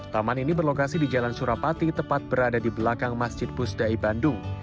taman ini berlokasi di jalan surapati tepat berada di belakang masjid pusdai bandung